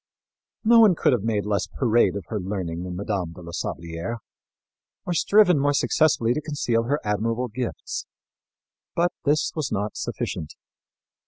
No one could have made less parade of her learning than Mme. de la Sablière, or striven more successfully to conceal her admirable gifts. But this was not sufficient.